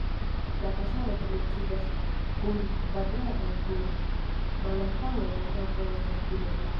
La fasado komenciĝas kun kvadrata turo, malantaŭe la navo estas videbla.